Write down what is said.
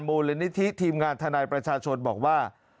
มูลนิธิทีมงานทนายประชาชนบอกว่า